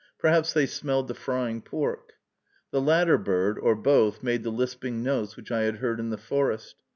Perhaps they smelled the frying pork. The latter bird, or both, made the lisping notes which I had heard in the forest.